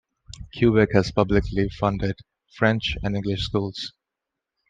Quebec has publicly funded French and English schools.